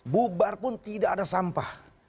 bubar pun tidak ada sampah